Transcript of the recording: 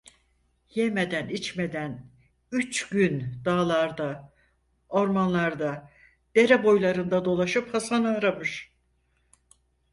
Yemeden, içmeden üç gün dağlarda, ormanlarda, dere boylarında dolaşıp Hasan'ı aramış.